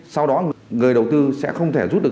sau đó người đầu tư sẽ không thể rút được